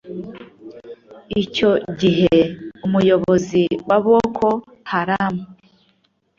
Icyo gihe umuyobozi wa Boko Haram